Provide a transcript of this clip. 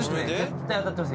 絶対当たってます。